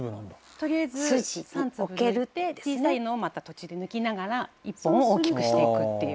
「とりあえず３粒植えて小さいのをまた途中で抜きながら一本を大きくしていくっていう」